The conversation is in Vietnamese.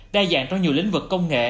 đa dạng trong nhiều lĩnh vực công nghệ